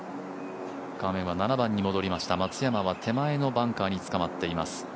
画面は７番に戻りました、松山は手前のバンカーにつかまっています。